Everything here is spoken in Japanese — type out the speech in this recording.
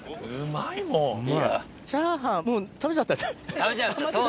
食べちゃいました。